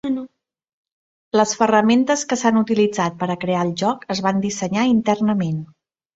Les ferramentes que s'han utilitzat per a crear el joc es van dissenyar internament.